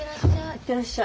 行ってらっしゃい。